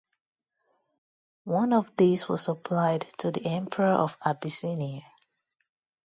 One of these was supplied to the Emperor of Abyssinia.